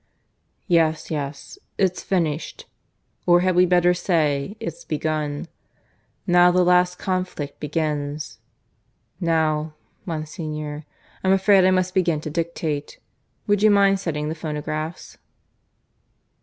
"Yes, yes, it's finished. Or had we better say it's begun. Now the last conflict begins. ... Now, Monsignor, I'm afraid I must begin to dictate. Would you mind setting the phonographs?"